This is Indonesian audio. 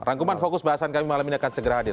rangkuman fokus bahasan kami malam ini akan segera hadir